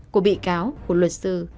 của bị cáo của luật sư